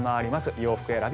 洋服選び